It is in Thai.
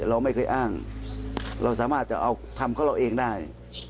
เราไม่เคยอ้างเราสามารถเอาคำข้าวเราได้